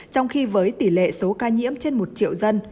trong khi với tỷ lệ số ca nhiễm trên một triệu dân